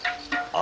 あ！